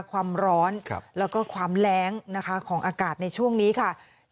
ความร้อนแล้วก็ความแรงนะคะของอากาศในช่วงนี้ค่ะ